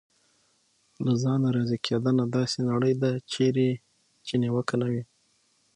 له ځانه راضي کېدنه: داسې نړۍ ده چېرې نیوکه نه وي.